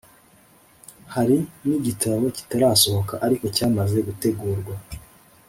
Hari n’igitabo kitarasohoka ariko cyamaze gutegurwa